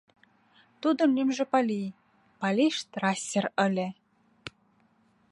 Тудын лӱмжӧ Пали, Пали Штрассер ыле.